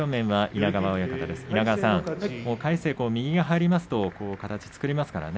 稲川さん右が入りまますと形を作れますね